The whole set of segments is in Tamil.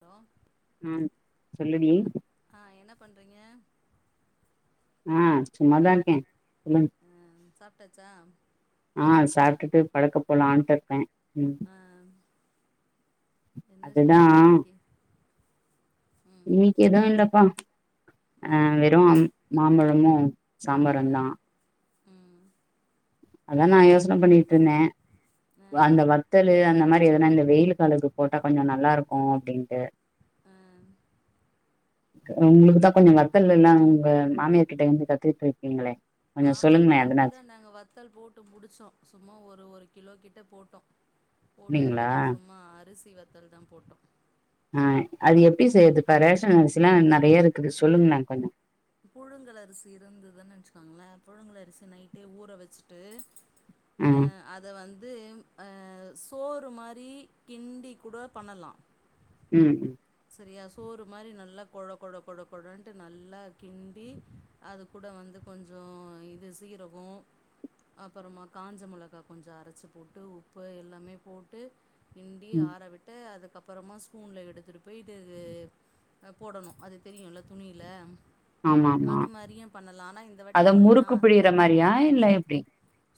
ஹலோ ம்ம சொல்லுடி பண்றீங்க ம் சும்மாதான் இருக்கன் சொல்லுங் சாப்டாச்சா ஆஹ் சாப்ட்டுட்டு படுக்க போலாண்ட்ருக்கே ம் ஆ என்ன அதுதா ஸ்பெஷல் இன்னைக்கு ம் இன்னைக்கு எதும் இல்லப்பா ஆ அஹ் வெறும் மாம்பழமு ஆ சாம்பாரும்தா ம் அதா நா யோசன பண்ணிட்ருந்தே ஆ அந்த வத்தலு அந்த மாறி எதனா இந்த வெயிலு காலத்துக்கு போட்டா கொஞ்சம் நல்லா இருக்கும் அப்டின்டு ஆ உங்களுக்குத்தா கொஞ்ச வத்தல்ல எல்லா உங்க மாமியர்கிட்ட இருந்து கத்துக்கிட்ருக்கீங்களே ஆமாப்பா இப்பதா நாங்க வத்தல் போட்டு முடிச்சோ சும்மா ஒரு ஒரு கிலோ கிட் ட்ட போட்டோ போட்டு சொன்னீங்களா எடுத்தோ சும்மா அரிஸ் சி வத்தல்தா போட்டோ ஆ அது எப்டி செய்யறதுப்பா ரேஷன் அரிசில்லா நெறையா இருக்குது சொல்லுங்களே கொஞ்சோ புழுங்கல் அரிசி இருந்ததுன்னு வச்சுக்கோங்களே புழுங்கல் அரிசி நைட்டே ஊற வச்சுட்டு ஆ அஹ் அத வந்து ஆ சோறு மாரி கிண்டி கூட பண்ணலா உம் உம் சரியா சோறு மாரி நல்லா கொழ கொழ கொழ கொழன்ட்டு நல்லா கிண்டி அது கூட வந்து கொஞ்சோ இது சீரகோ அப்பறமா காஞ்ச மொளகா கொஞ்சோ அரைச்சி போட்டு உப்பு எல்லாமே போட்டு கிண்டி ம். ஆற விட்டு அது க்கு அப்புறமா ஸ்பூன்ல எடுத்துட்டு போய்ட்டு அ போடணு அது தெரியும்ல துணியில ஆமா ஆமா அது மாரியு பண்ணலா ஆனா இந்த வாட்டி அதா நா முறுக்கு பிழியற மாரியா இல்ல எப்டி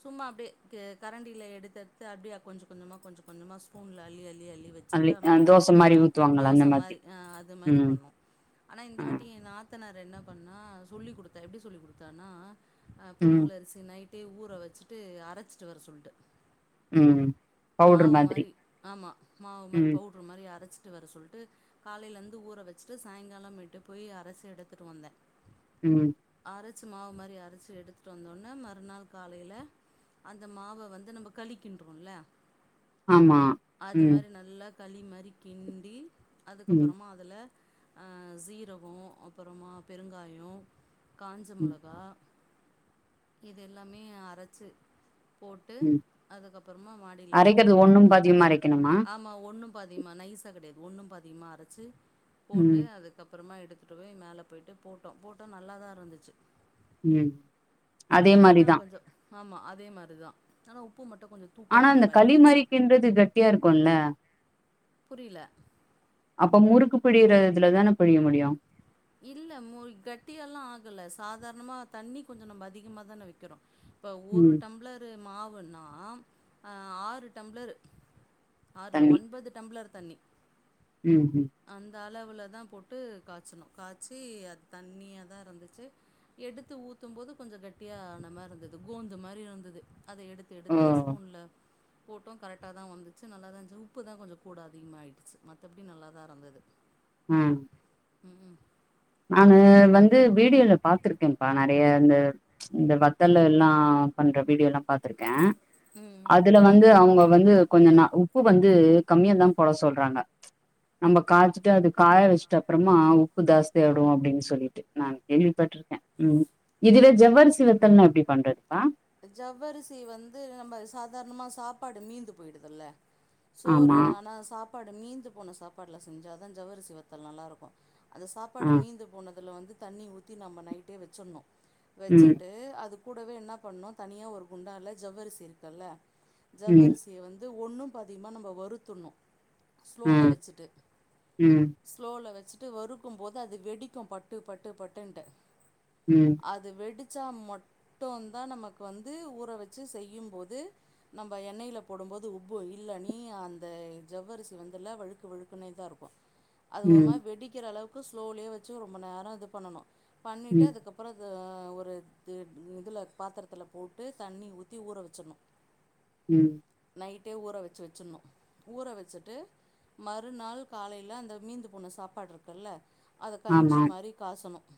சும்மா அப்படியே கரண்டியில எடுத்து எடுத்து அப்படியே கொஞ்சம் கொஞ்சமா கொஞ்சம் கொஞ்சமா ஸ்பூன்ல அள்ளி அள்ளி அப்டியே அள்ளி வச்சுட்டு ஆமா அ தோச மாரி ஆ ஊத்துவாங்கல்ல அந்த தோசை மாதிரி மாரி ஆ அது மாரி ம் பண்ணோ ஆனா இந்த அ வாட்டி ஏன் நாத்தனார் து என்ன பண்ணா சொல்லி கொடுத்தா எப்டி சொல்லிக் கொடுத்தான்னா ஆ் ம் புழுங்கல் அரிசு நைட் தே [unintelligible] ஊற வச்சுட்டு அரைச்சிட்டு வர சொல்ட்டு ம் [inaudible] பவுட்ரு மாவு மாதிரி மாரி ஆமா மாவு மாரி ம் பவுடரு மாரி அரைச்சு ட்ட வர சொல்ட்டு காலைல இருந்து ஊற வச்சுட்டு சாயங்காலமேட்டு போய் அரைச்சு எடுத்துட்டு வந்தே உம் ச்சு மாவு மாரி அரைச்சு எடுத்துட்டு வந்தோனே மறுநாள் காலைல அந்த மாவ வந்து நம்ப களி கிண்றோல்ல ஆமா உம் களி மாரி கிண்டி ம் அதுக்கப்புறமா அதுல அஹ் சீரகோ அப்புறமா பெருங்காயோ காஞ்ச ம் மொளகா இதெல் எல்லாமே அரைச்சு போட்டு ம் அதுக்கப்புறமா மாடியில் எடுத்துகட்டு அரைக்கிறது போயிட்டு ஒண்ணும் பாதியுமா அரைக்கணுமா ஆமாம் ஒன்னும் பாத்தீமா நைஸா கிடையாது ஒண்ணும் பாதியுமா அரைச்சு ம் போட்டு அதுக்கப்புறமா எடு கூடவே மேலே போய்ட்டு போட்டோ போட்டோ நல்லாதா இருந்துச்சு உம் உப்பு மட்டும் கொஞ்சம் ஆமா அதே மாரிதான் ஆனா உப்பு மட்டும் கொஞ்சம் ஆனா தூக்கலான அந்த மாதிரி ஆயிடுச்சு களிமறிக்கன்றது கட்டியா இருக்கும்ல புரியல அப்ப முறுக்கு பிழியிற இதுலதான பிழிய முடியு இல்ல மு கட்டிய எல்லாம் ஆகல சாதாரணமா தண்ணி கொஞ்சம் நம்ம அதிகமா தான வைக்கிறோம் இப்போ ஒரு ம் டம்ளரு மாவுன்னா ஆ ஆறு டம்ளரு ஆறு இல்ல தண்ணி ஒன்பது டம்ளர் தண்ணி ம் ம் அளவுல தான் போட்டு காய்ச்சனும் காய்ச்சி அது தண்ணியா தான் இருந்துச்சு எடுத்து ஊத்தும் போது கொஞ்சம் கட்டியா ஆன மாதிரி இருந்தது கோந்து மாதிரி இருந்தது அத எடுத்து ஓ எடுத்து ஸ்பூன்ல போட்டம் கரெக்டாக தான் வந்துச்சு நல்லா தான் இரு உப்பு தான் கொஞ்சம் கூட அதிகமாகிடுச்சு மத்தபடி நல்ல தான் தந்தது உம் ம் ம் நானு வந்து வீடியோல பாத்திருக்கேம்ப்பா நெறைய இந்த இந்த வத்தலு எல்லா பண்ற வீடியோல்லாம் பாத்திருக்கே ம் ம் அதுல வந்து அவங்க வந்து கொஞ்சம் நா உப்பு வந்து கம்மியா தான் போட சொல்றாங்க நம்ம காய்ச்சுட்டு அது காய வச்சுட்ட அப்புறமா உப்பு தாஸ்தி தேடு அப்டின்னு சொல்லிட்டு நா கேள்விப்பட்டிருக்கே ம் இதுல ஜவ்வரிசி வத்தல்னா எப்டி பண்றதுப்பா ஜவ்வரிசி வந்து நம்ம சாதாரணமா சாப்பாடு மீந்து போயிடுதுல்ல சோறு ஆமா ஆனா சாப்பாடு அந்த மீந்து போன சாப்பாடுல செஞ்சாதா ஜவ்வரிசி வத்தல் நல்லா இருக்கும் அந்த ஆ சாப்பாடு மீந்து போனது அதுல வந்து தண்ணி ஊத்தி நம்ம நைட்டே வச்சிட்ணு ம் வச்சுட்டு அது கூடவே என்ன பண்ணோ தனியாக ஒரு குண்டால ஜவ்வரிசி இருக்குல்ல ம் ஜவ்வரிசிய வந்து ஒன்னு பாதியுமா நம்ம வருத்துணும் ஆ ஸ்லோல வச்சுட்டு ம் ஸ்லோல வச்சு [unintelligible] வறுக்கும் போது அது வெடிக்கும் பட்டு பட்டு பட்டுன்டு ம் அது வெடு இச்சா மட்டோந் அதான் நமக்கு வந்து ஊற வச்சு செய்யும்போது நம்ம எண்ணெயில போடும்போது உப்பு இல்ல நீ அந்த ஜவ்வரிசி வந்துல்ல வழுக்கு வழுக்குனேதா இருக்கும் அது ஒரு ம் மாரி வெடிக்கிற அளவுக் ப்பு ஸ்லோலயே வச்சு ரொம்ப நேரம் இது பண்ணனு பண்ணிட்டு ம் அதுக்கப்புறோ இது அ நா ஒரு து இதுல பாத்தரத்துல போட்டு தண்ணி ஊத்தி ஊற வச்சணும் உம் நைட்டே ஊற வச்சு வச்சிடணு ஊற வச்சுட்டு மறுநாள் காலைல அந்த மீந்து போன சாப்பாடு இருக்குல்ல அத கஞ்சி ஆமா மாரி காசணும்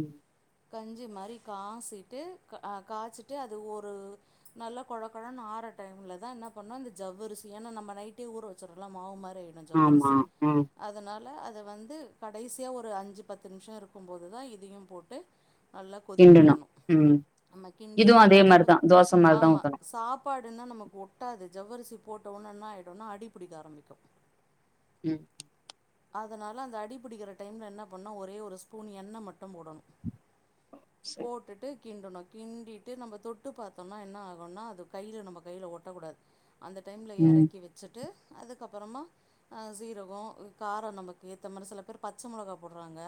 ம் கஞ்சி மாரி காசிட்டு க காச்சிட்டு அது ஒரு நல்ல கொழகொழன்னு ஆற டைமுலதா என்ன பண்ணணு இந்த ஜவ்வரிசிய ஏன்னா நம்ம நைட்டே ஊற வச்சர்றோல்ல மாவு மாரி [unintelligible] ஆமா ஜவ்வரிசி ம் அதனால ல்ல அத வந்து கடைசியா ஒரு அஞ்சு பத்து நிமிஷம் இருக்கும்போதுதா இதையும் போட்டு நல்லா கொதிக்க கிண்டணு விடணும் ம் ஆமா கிண்டி இதுவு அதே ஆனா ஜவ்வ மாரிதா தோச [inaudible] மாரிதா ஆமா ஊத்தணு சா சாப்பாடுன்னா நமக்கு ஒட்டாது ஜவ்வரிசி போட்ட ஒன என்ன ஆய்டுனா அடி புடிக்க ஆரம்பிக்கும் ம் அதனால அந்த அடிபிடிக்கிற டைம்ல என்ன பண்ணா ஒரே ஒரு ஸ்பூன் எண்ண மட்டும் போடணும் சரி போட்டுட்டு கிண்டணும் கிண்டிட்டு நம்ம தொட்டு பார்த்தோம்னா என்ன ஆகுனா அது கைல நம்ம கைல ஒட்டக்கூடாது அந்த டைம்ல ம் எறக்கி வச்சுட்டு அதுக்கப்புறமா ஆ சீரகோ காரம் நமக்கு ஏத்த மாரி சில பேர் பச்ச முளகா போடுறாங்க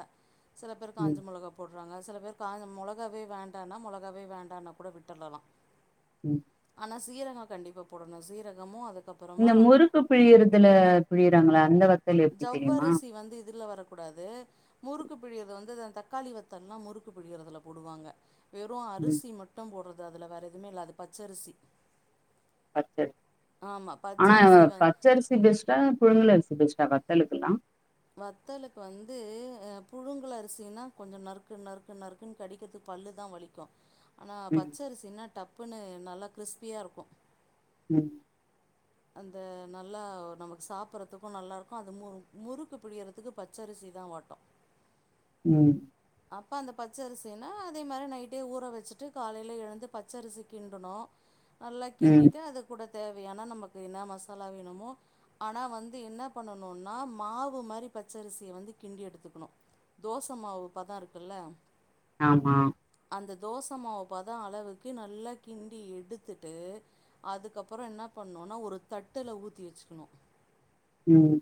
சில பேர் காஞ்ச ம் மொளகா போட் ன்றாங்க சில பேர் காஞ்ச மொளகாவே வேண்டான்னா மொளகாவே வேண்டான்னா கூட விட்டுடலா உம் சீரகம் கண்டிப்பா போடணும் சீரகமும் அதுக் இந்த முறுக்கு பிழியறதுல பிழிறாங்ளா [unintelligible] ஜவ்வரிசி வந்து இதுல வர கூடாது முறுக்கு பிழியிறது வந்து இந்த தக்காளி வத்தல்லா முறுக்கு பிழியறதுல போடுவாங்க வெறும் ம் அரிசி மட்டும் போடுறது அதுல வேற எதுமே இல்ல அது பச்சரிசி பச்சரிசி ஆமா ஆனா பச்சரிசி வ பச்சரிசி பெஸ்ட்டா புழுங்கல் அரிசி பெஸ்ட்டா வத்தலுக்கலாம் வத்தலுக்கு வந்து புழுங்கல் அரிசினா கொஞ்சம் நறுக்கு நறுக்கு நறுக்குன்னு கடிக்கிறதுக்கு பல்லுதான் வலிக்கும் ஆனா ம் பச்சரிசின்ன டப் உப்புன்னு நல்லா கிறிஸ்பியா இருக்கும் உம் அந்த நல்லா நமக்கு சாப்பறதுக்கும் நல்லா இருக்கும் அது மு முறுக்கு பிளியதற்க்கு பச்சரிசி தான் வாட்டோம் உம் அப்ப அந்த பச்சரிசினா அதே மாரி நைட்டே ஊற வச்சுட்டு காலையில எழுந்து பச்சரிசி கிண்டுணோம் நல்லா ம் கிண்டிட்டு அது கூட தேவையானால் நமக்கு என்ன மசாலா வேணுமோ ஆனால் வந்து என்ன பண்ணணுனா மாவு மாரி பச்சரிசிய வந்து கிண்டி எடுத்துக்கணும் தோச மாவு அப்ப தான் இருக்குல்ல ஆமா அந்த தோச மாவு பதம் அளவுக்கு நல்லா கிண்டி எடுத்துட்டு அதுக்கப்புறம் என்ன பண்ணுனா ஒரு தட்டுல ஊதி வச்சுக்கணும் உம்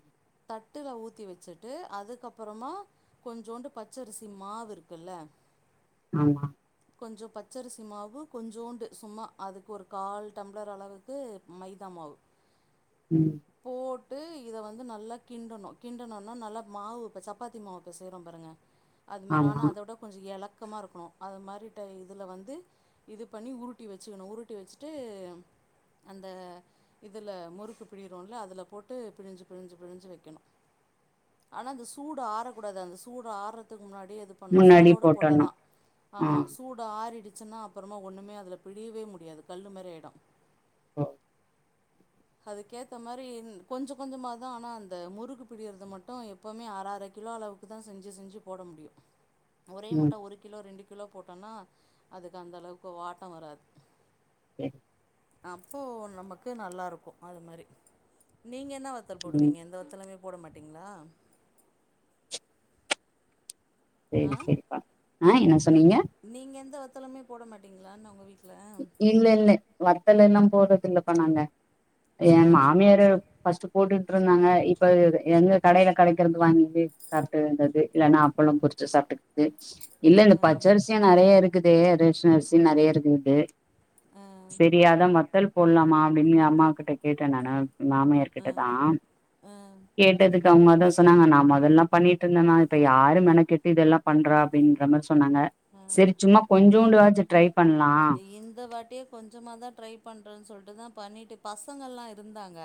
தட்டுல ஊத்தி வச்சுட்டு அதுக்கப்புறமா கொஞ்சோண்டு பச் ச்சரிசி மாவு இருக்குல்ல ஆமா கொஞ்சம் பச்சரிசி மாவு கொஞ்சோண்டு சும்மா அதுக்கு ஒரு கால் டம்ளர் அளவுக்கு மைதா மாவு ம் போட் விட்டு இதை வந்து நல்லா கிண்டணும் கிண்டுணொன்ன நல்லா மாவு இப்போ சப்பாத்தி மாவு பெசையரோம் பாருங்க அது மாரி ஆமா ஆனா அதோட கொஞ்சம் எழக் க்கமா இருக்கணும் அது மாரிட்ட இதுல வந்து இது பண்ணி உருட்டி வச்சுக்கணும் உருட்டி வச்சுட்டு அந்த இதில்ல முறுக்கு பிழிறோம்ல அதில் போட்டு பிழிஞ்சு பிழிஞ்சு பிழிஞ்சு வைக்கணும் ஆனா அந்த சூடு ஆறக்கூடாது அந்த சூடு ஆற முன்னாடிேயே இது பண்ணும் முன்னாடி சூடோட போட்டர்ணு போட்டாதான் ஆ ஆமா சூட ஆறிடிச் ரச்சனா அப்புறமா ஒன்னுமே அதுல பிழியவே முடியாது கல்லு மாரியாயிடும் ஹ அதுக்கேத்த மாரி கொஞ்சம் கொஞ்சமாதான் ஆனா அந்த முறுக்கு பிழிறது மட்டும் எப்வுமே அர அர கிலோ அளவுக்கு தான் செஞ்சு செஞ்சு போட முடியும் ஒரே ம் முட்ட ஒரு கிலோ ரெண்டு கிலோ போட்டோம்னா அதுக்கு அந்த அளவுக்கு வாட்டம் வராது ஏக் அப்போ நமக்கு நல்லா இருக் அது மாரி நீங்க என்ன வத்தல் ம் போடுவீங்க எந்த வத்தலுமே போட மாட்டீங்ளா சேரி சேரிப்பா ஆஹ் என்ன சொன்னீங்க வத்தலேமே போட மாட்டீங்ளான்ன உங்க வீட்டுல இல்லல்ல வத்தல எல்லாம் போறது இல்லப்பா நாங்க ஆ என் மாமியாரு பஸ்டு போட்டுட்ருந்தாங்க இப்ப எங்க கடையில கடைக்கிறது வாங்கி சாப்பிடுக்க வேண்டியது இல்லைன்னா அப்பளும் பொரிச்சு சாப்பிட்டுக்கது இல்ல இந்த பச்சரிசியா நெறையா இருக் க்குது ரேஷன் அரிசி நெறைய இருக்குது ஆ செரி அதா வத்தல் போட்லாமா அப்டின்னு அம்மாகிட்ட கேட்டே நானு ஆ மாமியார்கிட்டதா ஆ கேட்டதுக் [unintelligible] சொன்னாங்க நா மொதல்ல பண்ணிட்ருந்தம்மா இப்ப யாரு மெனக்கெட்டு இதெல்லா பண்றா அப்டிங்கிற மாரி சொன்னாங்க ஆ சரி சும்மா கொஞ்சோண்டுவாச்சு ட்ரை பண்லா இந்த வாட்டியே கொஞ்சமாதா ட்ரை பண்றன்னு சொல்ட்டுதா பண்ணிட்டு பசங்கள்லா இருந்தாங்க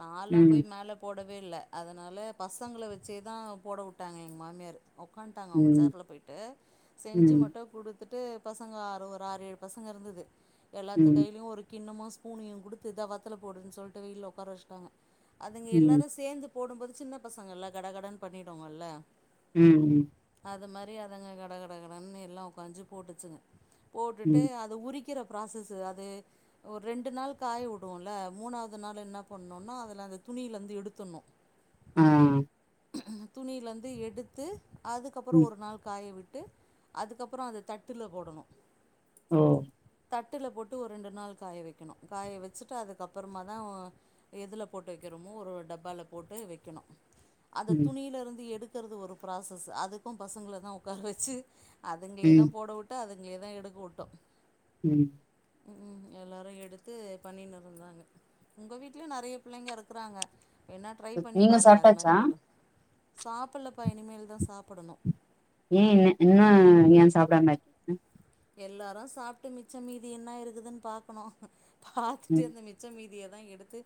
நான்லா போய் ம் மேல போட வில்ல அதனால பசங்கள வச்சேதா போட உட்டாங்க எங்க மாமியாரு உக்கான்ட்டாங்க அவங்க ம் சேர்ல போயிட்டு செஞ்சு ம் மட்டு குடுத்து ட்டு பசங்க ஆறு ஒரு ஆறு ஏழு பசங்க இருந்தது எல்லாத்து ம் கையிலயு ஒரு கிண்ணமு ஸ் ஸ்பூனையு குடுத்து இதா வத்தல போடுன்னு சொல்ட்டு வெயில்ல உக்கார வச்சுட்டாங்க அதுங்க ம் எல்லாரு சேந்து போடும்போது சின்ன பசங்கல்ல கடகடன்னு பண்ணிடுங்கல்ல உம் உம் அது மாரி அதுங்க கடகடகடன்னு எல்லா உக்காஞ்சு போட்டுச்சுங்க போட் ட்டு ம் அது உரிக்கிற ப்ராசஸு அது ஒரு ரெண்டு நாள் காய விடுவோம்ல மூணாவது நாள் என்ன பண்ணணுன்னா அதுல அந்த துணியிலருந்து எடுத்துட்ணு ஆஹ் துணியில இருந் எடுத்து அதுக்கப்புறோ ம் ஒரு நாள் காய விட் ட்டு அதுக்கப்புறோ அத தட்டுல போடணு ஓ தட்டுல போட்டு ஒரு ரெண்டு நாள் காய வைக்கணு காய வச்சுட்டு அதுக்கப்புறமாதா எதுல போட்டு வைக்கிறோமோ ஒரு டப்பாவுல போட்டு வைக்கணு அத ம் துணியில இருந்து எடுத் க்கிறது ஒரு ப்ராசஸ் அதுக்கும் பசங்களதா உக்கார வச்சு அதுங்களேதா ம் போட உட்டு அது எத எடு கூட்டோ ம் உம் ம் எல்லாரு எடுத்து பண்ணினு இருந்தாங்க உங்க வீட்லயு நெறைய பிள்ளைங்க இருக்கறாங்க வேண்ணா ட்ரை பண்ணி நீங்க பாருங்க அது மாரி சாப்ட்டாச்சா போட்டு சாப்பிடலப்ப இனிமேல்தா சாப்படணு ஏன் அ இன்னு ஏன் சாப்டாம இருக்கீங்க எல்லாரு சாப்ட்டு மிச்ச மீதி என்னா இருக்குதுன்னு பாக்கணு பாத்துட்டு ம் அந்த மிச்சம் மீதிய தான் எடுத்து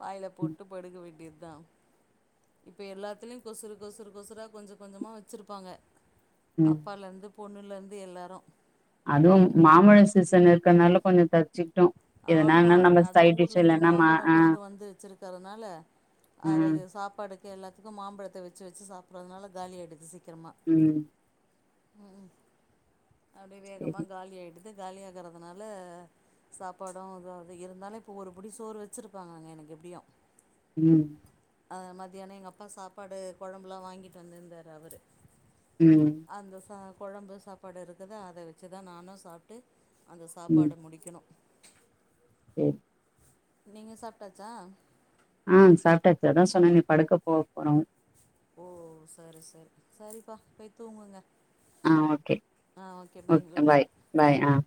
வாயில ம் போட்டு படுக வேண்டியது தாம் இப்ப எல்லாத்துலேயும் கொசுறு கொசுறு கொசுறா கொஞ்ச கொஞ்சமா வச்சிருப்பாங்க ம் அப்பால இருந்து பொண்ணுலேருந்து எல்லாரு அதுவும் மாம்பழ சீசன் இருக்குறதுனால கொஞ்சம் தப் ஆமா அதுவும் ஊர்ல இருந்து இல்லன்னா மா மாம்பழ ஆ கொண்டு வந்து வச்சிருக்கிறதுனால ஆ அத சாப்பாடு- எல்லாத்துக்கும் மாம்பழத்த வச்சு வச்சு சாப்பிடறதுனால காலி ஆயிடடுது சி உஹம் உம்கும் அப்டியே வேகமா சரி காலி ஆயிடுது இது காலியாகிறதுனால சாப்பாடும் இது அது இருந்தாலும் இப்போ ஒரு புடி சோறு வச்சுருப்பாங்க எனக்கு எப்புடியும் உஹும் ஆ மதியானம் எங்க அப்பாஒ சாப்பாடு கொழம்புலாம் வாங்கிட்டு வந்திருந்தாரு அவரு ம் அந்தசாத குழம்பு சாப்பாடு இருக்குது அத வச்சு தான் நானு சாப்பிட்டு அந்த சாப்பாட முடிக்கனும் இம் நீங்க சாப்ட்டாச்சா ம் சாப்ட்டாச்சு அதான் சொன்னனே படுக்க போக போறோம் ஓ சர் சர் சரிப்பா போய் தூங்குங்க ஆஹ் ஓகே ஆ okay okay good night bye bye ஆஹ்